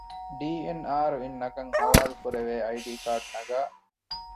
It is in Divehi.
ޑީ. އެން. އާރު އިން ނަގަން ޙަވާލުކުރެވޭ އައި ޑީ ކާޑު ނަގައި